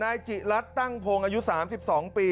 นายจิรัตนตั้งพงศ์อายุ๓๒ปี